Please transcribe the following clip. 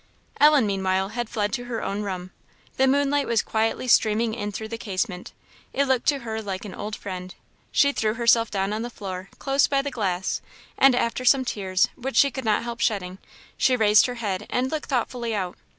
Ellen, meanwhile, had fled to her own room. The moonlight was quietly streaming in through the casement; it looked to her like an old friend. She threw herself down on the floor, close by the glass, and after some tears, which she could not help shedding, she raised her head and looked thoughtfully out.